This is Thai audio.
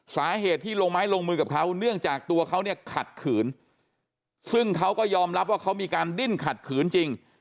สาเหตุที่ลงไม้ลงมือกับเขาเนื่องจากตัวเขาเนี่ยขัดขืนซึ่งเขาก็ยอมรับว่าเขามีการดิ้นขัดขืนจริง